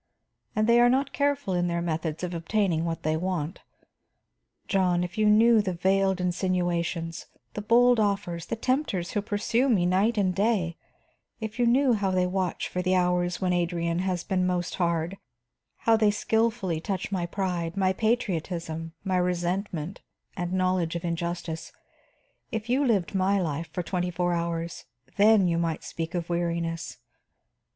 And they are not careful in their methods of obtaining what they want. John, if you knew the veiled insinuations, the bold offers, the tempters who pursue me night and day; if you knew how they watch for the hours when Adrian has been most hard, how they skilfully touch my pride, my patriotism, my resentment and knowledge of injustice, if you lived my life for twenty four hours, then you might speak of weariness.